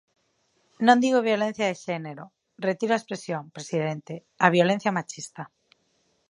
Non digo violencia de xénero; retiro a expresión, presidente: a violencia machista.